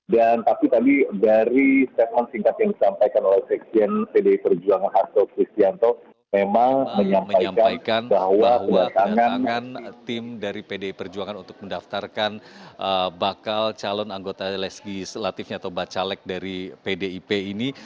dan tapi tadi dari setan singkat yang disampaikan oleh sekjen pdip hasto kristianto memang menyampaikan bahwa datangkan tim dari pdip untuk mendaftarkan bakal calon anggota legislatif atau bacalek dari pdip ini